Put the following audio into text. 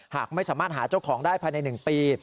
หากไม่สามารถหาเจ้าของได้ภายใน๑ปี